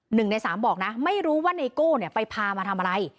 หนึ่งในสามบอกนะไม่รู้ว่าไนโก้ไปพามาทำอะไร